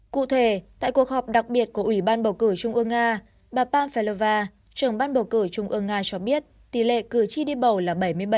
cụ thể tại cuộc họp đặc biệt của ủy ban bầu cử trung ương nga bapam feleva trưởng ban bầu cử trung ương nga cho biết tỷ lệ cử tri đi bầu là bảy mươi bảy bốn mươi chín